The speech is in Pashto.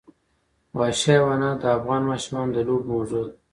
وحشي حیوانات د افغان ماشومانو د لوبو موضوع ده.